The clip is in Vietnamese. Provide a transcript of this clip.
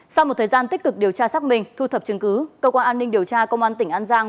sau một thời gian tích cực điều tra xác minh thu thập chứng cứ cơ quan an ninh điều tra công an tỉnh an giang